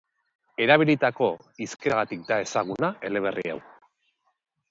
Erabilitako hizkeragatik da ezaguna eleberri hau.